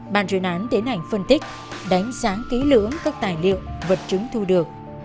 bàn truyền án tiến hành phân tích đánh sáng ký lưỡng các tài liệu vật chứng thu được